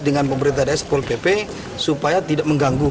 dengan pemerintah daerah polpp supaya tidak mengganggu